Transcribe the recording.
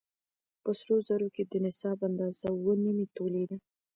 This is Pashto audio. په سرو زرو کې د نصاب اندازه اووه نيمې تولې ده